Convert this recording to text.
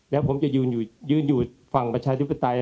แล้วผมจะยืนอยู่ฝั่งประชาธิปไตย